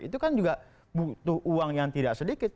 itu kan juga butuh uang yang tidak sedikit